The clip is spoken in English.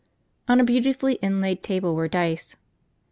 On a beautifully inlaid table were dice.